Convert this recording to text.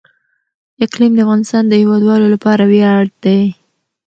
اقلیم د افغانستان د هیوادوالو لپاره ویاړ دی.